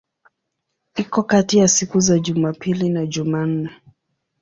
Iko kati ya siku za Jumapili na Jumanne.